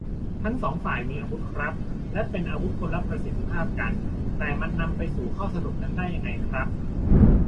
ทั้งสองฝ่ายมีอาวุธครับ และเป็นอาวุธคนละประสิทธิภาพกัน แต่มันนำไปสู่ข้อสรุปนั้นได้ยังไงครับ